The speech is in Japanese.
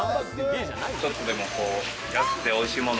ちょっとでも安くて、おいしいもの。